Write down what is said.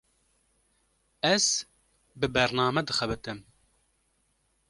Ez, bi bername dixebitim